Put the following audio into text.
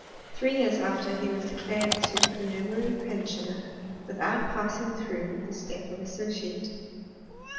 Three years after he was declared a super ( somerary pensioner, without passing through the step 3 of associate.